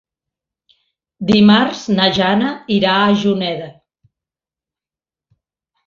Dimarts na Jana irà a Juneda.